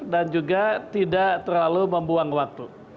dan juga tidak terlalu membuang waktu